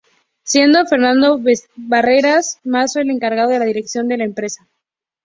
Siendo Fernando Barreras Massó el encargado de la dirección de la empresa.